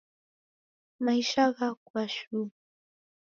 Maisha ghakua shuu.